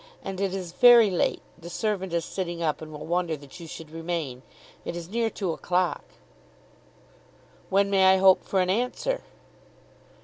And it is very late. The servant is sitting up, and will wonder that you should remain. It is near two o'clock." "When may I hope for an answer?"